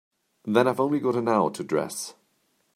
Then I've only got an hour to dress.